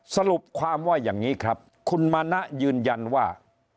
สรุปความว่าอย่างนี้ครับคุณมณะยืนยันว่า